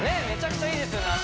めちゃくちゃいいですよね